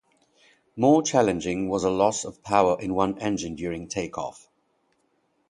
More challenging was a loss of power in one engine during takeoff.